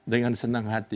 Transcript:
dengan senang hati